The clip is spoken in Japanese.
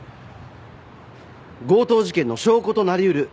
強盗事件の証拠となり得る犬です。